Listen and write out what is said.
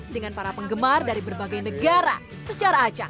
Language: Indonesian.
dengan para penggemar dari berbagai negara secara ajak